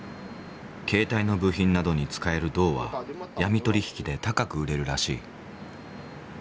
携帯の部品などに使える銅は闇取引で高く売れるらしい。